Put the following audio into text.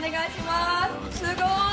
すごーい！